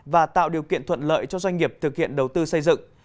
và tạo điều kiện thuận lợi cho doanh nghiệp thực hiện đầu tư xây dựng